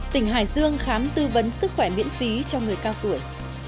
tỉnh hải dương khám tư vấn sức khỏe miễn phí cho người cao tuổi